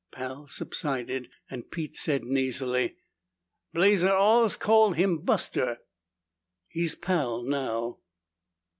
Pal subsided and Pete said nasally, "Blazer allus call't him Buster." "He's Pal now."